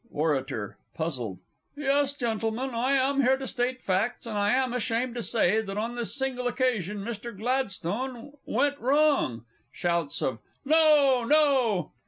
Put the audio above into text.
_ ORATOR (puzzled). Yes, Gentlemen, I am here to state facts, and I am ashamed to say, that on this single occasion Mr. Gladstone went wrong. [_Shouts of "No! No!"